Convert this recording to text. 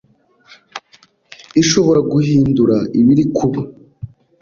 Ishobora guhindura ibiri kuba